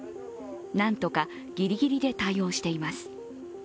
なんとかギリギリで対応しています。